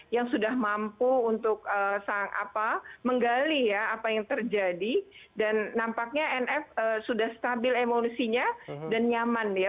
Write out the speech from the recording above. yang sudah mampu untuk menggali ya apa yang terjadi dan nampaknya nf sudah stabil emosinya dan nyaman ya